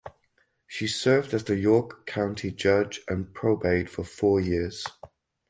She served as the York County Judge of Probate for four years.